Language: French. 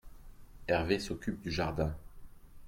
Herve s'occupe du jardin.